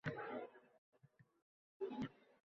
biz hukumatning mantig‘iga binoan, Xartiyani rostmana